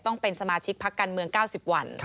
ต้องเป็นสมาชิกพักการเมือง๙๐วัน